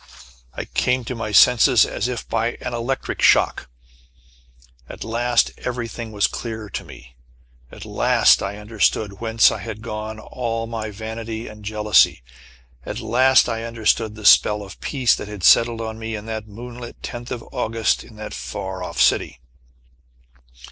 I came to my senses as if by an electric shock. At last everything was clear to me. At last I understood whence had gone all my vanity and jealousy. At last I understood the spell of peace that had settled on me in that moonlit tenth of August, in that far off city.